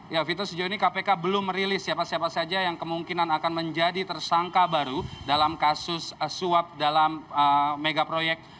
ya vito sejauh ini kpk belum merilis siapa siapa saja yang kemungkinan akan menjadi tersangka baru dalam kasus suap dalam megaproyek